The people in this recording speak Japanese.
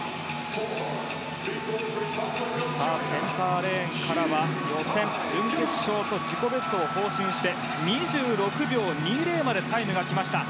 さあセンターレーンからは予選、準決勝と自己ベストを更新して２６秒２０までタイムが来ました。